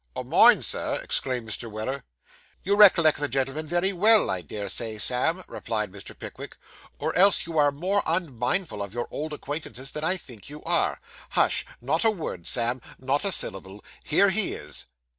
'O' mine, Sir?' exclaimed Mr. Weller. 'You recollect the gentleman very well, I dare say, Sam,' replied Mr. Pickwick, 'or else you are more unmindful of your old acquaintances than I think you are. Hush! not a word, Sam; not a syllable. Here he is.